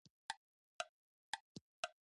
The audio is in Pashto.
ښځې او نارینه به ترې ښکته شول.